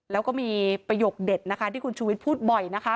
แล้วก็มีประโยคเด็ดนะคะที่คุณชูวิทย์พูดบ่อยนะคะ